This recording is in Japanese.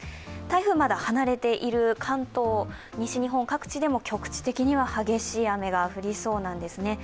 台風まだ離れている関東西日本各地でも局地的には激しい雨が降りそうなんですね。